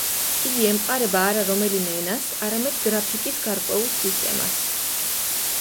იგი ემყარება არა რომელიმე ენას, არამედ გრაფიკის გარკვეულ სისტემას.